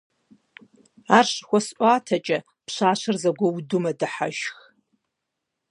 Ар щыхуэсӀуатэкӀэ, пщащэр зэгуэуду мэдыхьэшх.